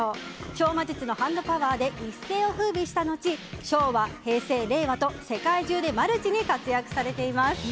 超魔術のハンドパワーで一世を風靡した後昭和、平成、令和と世界中でマルチに活躍されています。